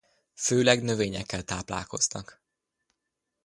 Főleg növényekkel táplálkoznak.